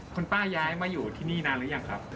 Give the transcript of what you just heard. คุณป้าย้ายมาอยู่ที่นี่นานหรือยังครับ